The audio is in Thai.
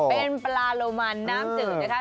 เป็นปลาโลมันน้ำจืดนะคะ